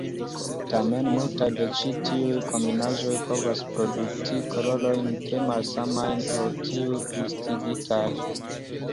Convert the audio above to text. Tamen, multaj de ĉi tiuj kombinaĵoj povas produkti kolorojn tre malsamajn ol tiuj listigitaj.